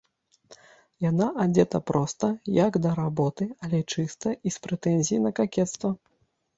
Яна адзета проста, як да работы, але чыста і з прэтэнзіяй на какецтва.